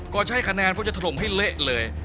ก่อนจะให้คะแนนพวกจะถล่มให้เละเลย